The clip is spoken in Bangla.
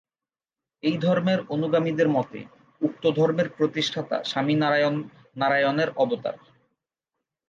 এই ধর্মের অনুগামীদের মতে, উক্ত ধর্মের প্রতিষ্ঠাতা স্বামীনারায়ণ নারায়ণের অবতার।